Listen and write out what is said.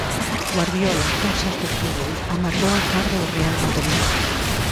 Guardiola, cousas do fútbol, amargou a tarde ao Real Madrid.